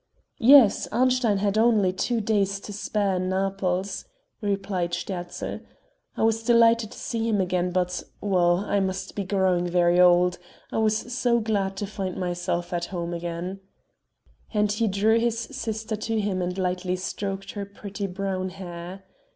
"Yes, Arnstein had only two days to spare in Naples," replied Sterzl; "I was delighted to see him again, but well, I must be growing very old, I was so glad to find myself at home again," and he drew his sister to him and lightly stroked her pretty brown hair.